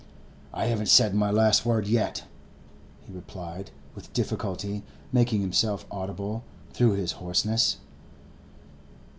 'I haven't said my last word yet,' he replied, with difficulty making himself audible through his hoarseness.